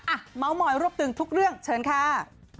เมาส์มอยรวบตึงทุกเรื่องเชิญค่ะ